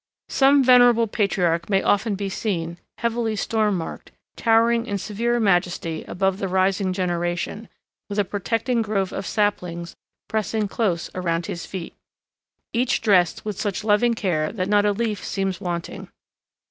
Some venerable patriarch may often be seen, heavily storm marked, towering in severe majesty above the rising generation, with a protecting grove of saplings pressing close around his feet, each dressed with such loving care that not a leaf seems wanting.